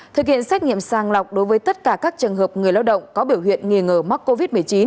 thực hiện xét nghiệm sàng lọc đối với tất cả các trường hợp người lao động có biểu hiện nghi ngờ mắc covid một mươi chín